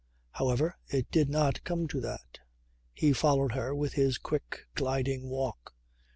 However it did not come to that. He followed her with his quick gliding walk.